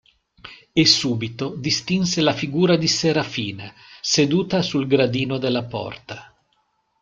E subito distinse la figura di Serafina seduta sul gradino della porta.